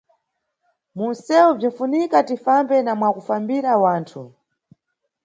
Munʼsewu, bzinʼfunika tifambe na mwakufambira wanthu.